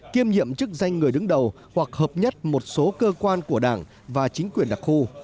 kiêm nhiệm chức danh người đứng đầu hoặc hợp nhất một số cơ quan của đảng và chính quyền đặc khu